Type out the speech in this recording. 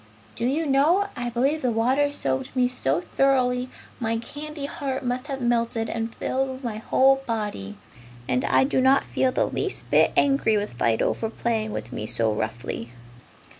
Do you know, I believe the water soaked me so thoroughly my candy heart must have melted and filled my whole body, and I do not feel the least bit angry with Fido for playing with me so roughly!"